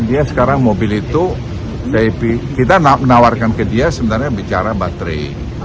dia sekarang mobil itu kita menawarkan ke dia sebenarnya bicara baterai